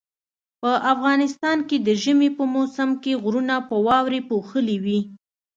په افغانستان کې د ژمي په موسم کې غرونه په واوري پوښلي وي